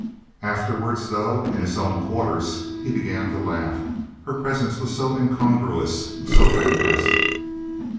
Afterwards, though, in his own quarters, he began to laugh. Her presence was so incongruous, so fantastic...